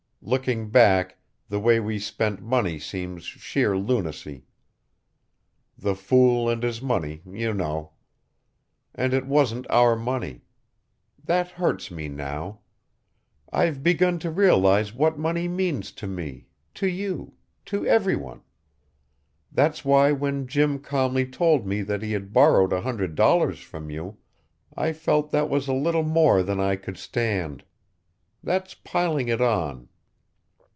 Looking back, the way we spent money seems sheer lunacy. The fool and his money you know. And it wasn't our money. That hurts me now. I've begun to realize what money means to me, to you, to every one. That's why when Jim calmly told me that he had borrowed a hundred dollars from you I felt that was a little more than I could stand. That's piling it on.